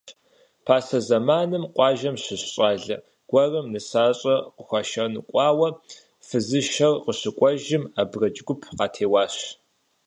Пасэ зэманым къуажэм щыщ щӀалэ гуэрым нысащӀэ къыхуашэну кӀуауэ, фызышэр къыщыкӀуэжым, абрэдж гуп къатеуащ.